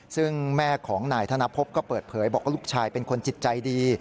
ซึ่งแม่ของนายธนพบก็เปิดเผยบอกว่าลูกชายเป็นคนจิตใจดี